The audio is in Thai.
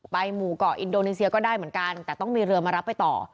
หมู่เกาะอินโดนีเซียก็ได้เหมือนกันแต่ต้องมีเรือมารับไปต่อ